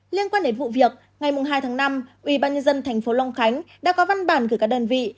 liên quan đến vụ việc ngày hai tháng năm ubnd tp long khánh đã có văn bản gửi các đơn vị